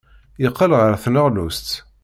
Yeqqel ɣer tneɣlust.